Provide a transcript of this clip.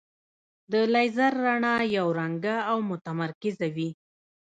د لیزر رڼا یو رنګه او متمرکزه وي.